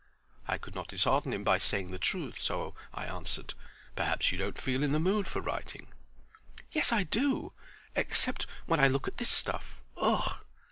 I could not dishearten him by saying the truth. So I answered: "Perhaps you don't feel in the mood for writing." "Yes I do—except when I look at this stuff. Ugh!"